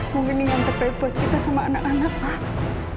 mungkin dengan terbebut kita sama anak anak pak